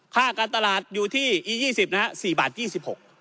ค่าการตลาดอยู่ที่อียี่สิบนะฮะสี่บาทยี่สิบหก